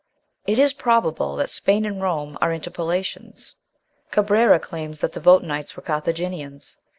It is probable that Spain and Rome are interpolations. Cabrera claims that the Votanites were Carthaginians.